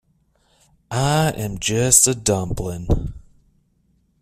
I am just a dumpling.